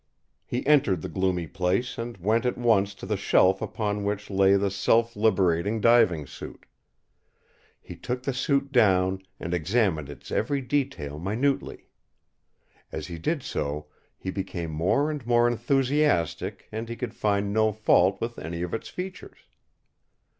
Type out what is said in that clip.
He entered the gloomy place and went at once to the shelf upon which lay the self liberating diving suit. He took the suit down and examined its every detail minutely. As he did so he became more and more enthusiastic and he could find no fault with any of its features.